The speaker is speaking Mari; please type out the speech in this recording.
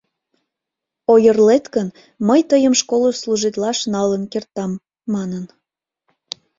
— Ойырлет гын, мый тыйым школыш служитлаш налын кертам, — манын.